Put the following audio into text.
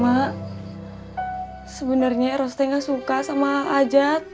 mak sebenernya roste gak suka sama ajat